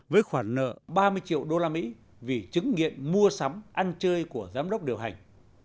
với khoản nợ ba mươi triệu usd vì chứng nghiện mua sắm ăn chơi của giám đốc điều hành